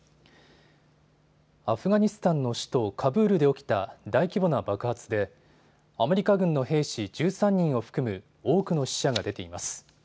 アフガニスタンの首都カブールで起きた大規模な爆発でアメリカ軍の兵士１３人を含む多くの死者が出ています。